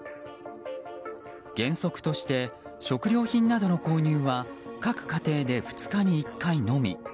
原則として食料品などの購入は各家庭で２日に１回のみ。